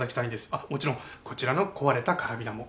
あっもちろんこちらの壊れたカラビナも。